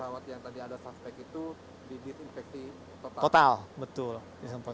dan pesawat yang tadi ada suspek itu didisinfeksi total